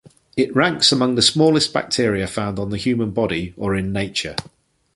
It ranks among the smallest bacteria found on the human body or in nature.